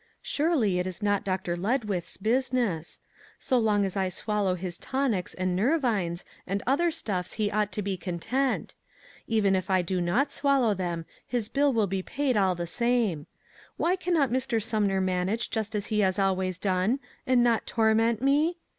"Surely, it is not Dr. Ledwith's business; so long as I swallow his tonics and nervines and other stuffs he ought to be content; even if I do not swallow them, his bill will be paid all the same. Why cannot Mr. Sumner manage just as he has always done, and not torment me?